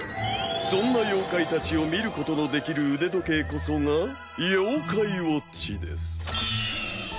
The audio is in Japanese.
そんな妖怪たちを見ることのできる腕時計こそが妖怪ウォッチです。